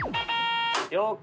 了解。